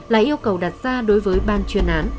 là yêu cầu đặt ra đối với ban chuyên án